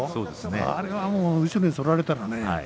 あれは後ろにそられたらね